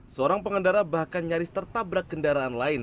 seorang pengendara bahkan nyaris tertabrak kendaraan lain